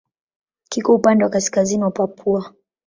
Kiko upande wa kaskazini wa Papua.